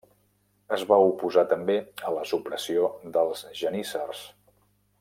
Es va oposar també a la supressió dels geníssers.